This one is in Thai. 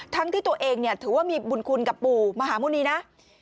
ทั้งที่ตัวเองเนี่ยถือว่ามีบุญคุณกับปู่มหาหมุนีนะ